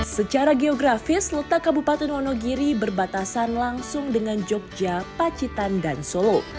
secara geografis letak kabupaten wonogiri berbatasan langsung dengan jogja pacitan dan solo